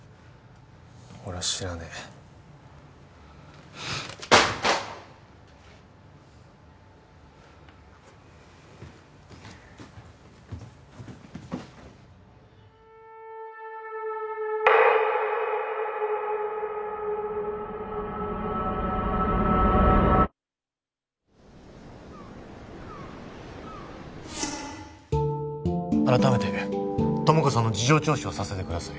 俺は知らねえ改めて友果さんの事情聴取をさせてください